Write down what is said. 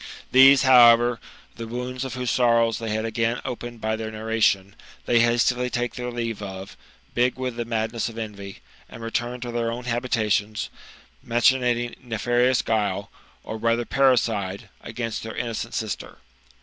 These, however, the wounds of whose sorrows they had again opened by their narration, they hastily take their leave of, big with the madness of envy, and return to their own habitations, machinating nefarious guile, or rather parricide, against their innocent sister.